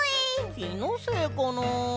きのせいかなあ。